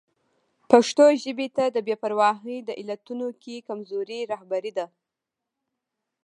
پښتو ژبې ته د بې پرواهي د علتونو کې کمزوري رهبري ده.